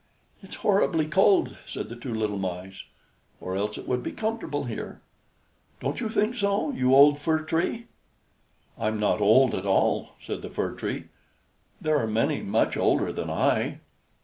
"It's horribly cold," said the two little Mice, "or else it would be comfortable here. Don't you think so, you old Fir Tree?" "I'm not old at all," said the Fir Tree. "There are many much older than I."